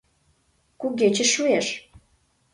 Кугече шуэш.